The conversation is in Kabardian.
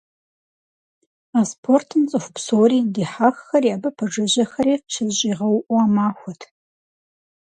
А спортым цӏыху псори - дихьэххэри абы пэжыжьэхэри - щызэщӏигъэуӏуа махуэт.